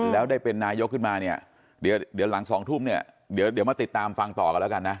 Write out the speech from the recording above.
แล้วได้เป็นนายกขึ้นมาเนี่ยเดี๋ยวหลัง๒ทุ่มเนี่ยเดี๋ยวมาติดตามฟังต่อกันแล้วกันนะ